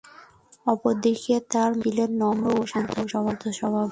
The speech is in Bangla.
অপরদিকে তার মা ছিলেন নম্র ও শান্ত স্বভাবের।